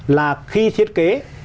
là khi thiết kế